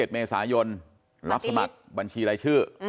๑เมษายนรับสมัครบัญชีรายชื่อ